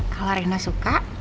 kalau reina suka